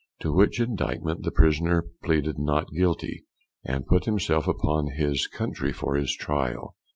To which indictment the prisoner pleaded not guilty, and put himself upon his country for his trial.